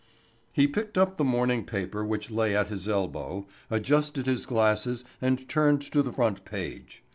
He picked up the morning paper which lay at his elbow, adjusted his glasses and turned to the front page.